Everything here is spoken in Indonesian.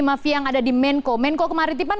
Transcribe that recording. mafia yang ada di menko menko kemaritiman